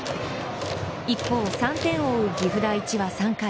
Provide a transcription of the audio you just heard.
一方、３点を追う岐阜第一は、３回。